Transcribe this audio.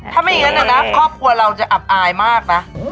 ถ้าไม่อย่างนั้นนะครอบครัวเราจะอับอายมากนะ